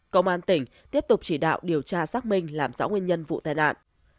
công an tỉnh tiếp tục chỉ đạo điều tra xác minh làm rõ nguyên nhân vụ tai nạn